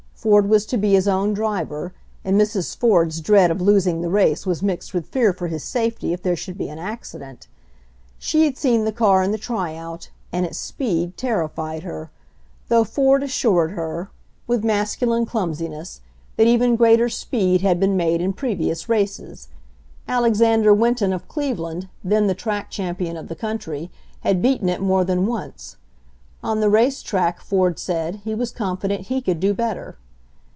Ford was to be his own driver, and Mrs. Ford's dread of losing the race was mixed with fear for his safety if there should be an accident. She had seen the car in the tryout, and its speed terrified her, though Ford assured her, with masculine clumsi WINNING A RACE 107 ness, that even greater speed had been made in previous races. Alexander Winton of Cleveland, then the track champion of the country, had beaten it more than once. On the racetrack, Ford said, he was confident he could do better.